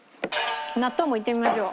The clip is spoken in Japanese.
納豆もいってみましょう。